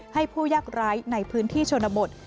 ผู้ยากร้ายในพื้นที่ชนบท